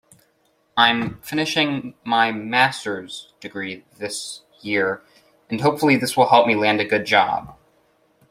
I'm finishing my masters degree this year and hopefully this will help me land a good job.